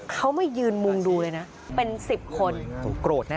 เค้ายืนมุงอยู่ไม่ดูเลยค่ะ